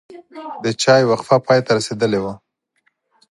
د چای وقفه پای ته رسیدلې وه.